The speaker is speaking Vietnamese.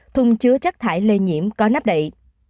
thung chứa chắc thải lây nhiễm có nắp đậy